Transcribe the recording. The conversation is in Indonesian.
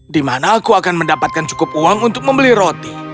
di mana aku akan mendapatkan cukup uang untuk membeli roti